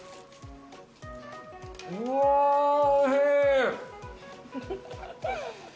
うわおいしい！